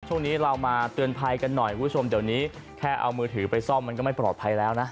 ช่วงนี้เรามาเตือนภัยกันหน่อยคุณผู้ชมเดี๋ยวนี้แค่เอามือถือไปซ่อมมันก็ไม่ปลอดภัยแล้วนะ